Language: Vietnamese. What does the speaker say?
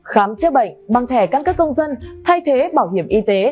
khám chữa bệnh bằng thẻ căn cước công dân thay thế bảo hiểm y tế